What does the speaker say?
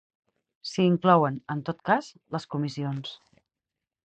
S'hi inclouen, en tot cas, les comissions.